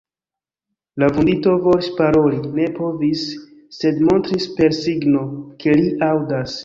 La vundito volis paroli, ne povis, sed montris per signo, ke li aŭdas.